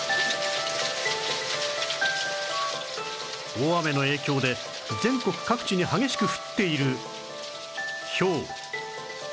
大雨の影響で全国各地に激しく降っているひょう